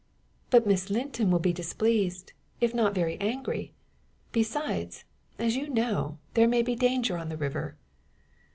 "But Miss Linton will be displeased, if not very angry. Besides, as you know, there may be danger on the river."